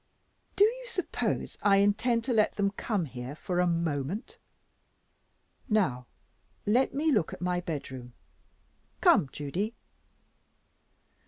"Do you suppose I intend to let them come here, for a moment? Now let me look at my bedroom. Come, Judy."